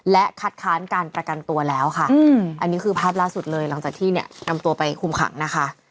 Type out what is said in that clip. และคัดค้านการประกันตัวแล้วค่ะอันนี้คือภาพล่าสุดเลยหลังจากที่เนี่ยนำตัวไปคุมขังนะคะ